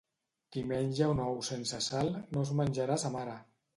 Qui menja un ou sense sal, no es menjarà a sa mare.